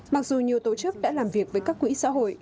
mặc dù nhiều tổ chức đã làm việc với các quỹ xã hội